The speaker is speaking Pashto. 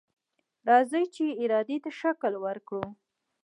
راځئ دې ارادې ته شکل ورکړو.